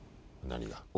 何が？